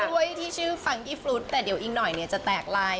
ด้วยที่ชื่อฟังกี้ฟรุดแต่เดี๋ยวอีกหน่อยเนี่ยจะแตกลาย